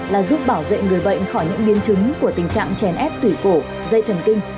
là giúp bảo vệ người bệnh khỏi những biến chứng của tình trạng chèn ép tủy cổ dây thần kinh